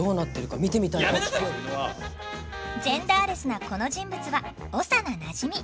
ジェンダーレスなこの人物は長名なじみ。